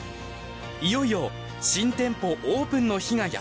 いよいよ新店舗オープンの日がやってきました。